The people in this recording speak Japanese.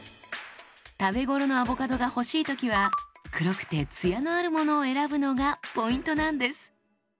食べ頃のアボカドが欲しい時は黒くてツヤのあるものを選ぶのがポイントなんです。